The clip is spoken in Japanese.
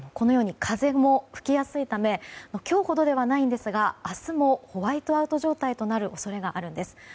風も吹きやすいため今日ほどではないんですが明日もホワイトアウト状態となる恐れがあるんです。